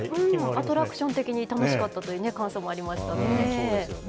アトラクション的に楽しかったという感想もありましたしね。